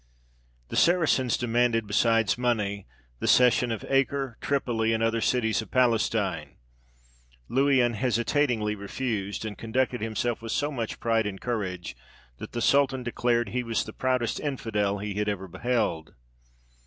The Saracens demanded, besides money, the cession of Acre, Tripoli, and other cities of Palestine. Louis unhesitatingly refused, and conducted himself with so much pride and courage that the sultan declared he was the proudest infidel he had ever beheld.